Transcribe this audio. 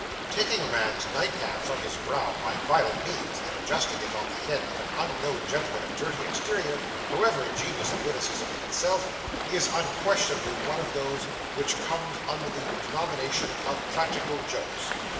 Taking a man's nightcap from his brow by violent means, and adjusting it on the head of an unknown gentleman, of dirty exterior, however ingenious a witticism in itself, is unquestionably one of those which come under the denomination of practical jokes.